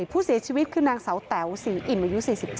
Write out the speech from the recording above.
ผู้เสียชีวิตคือนางเสาแต๋วศรีอิ่มอายุ๔๗